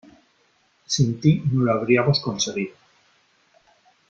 Sin ti no lo habríamos conseguido.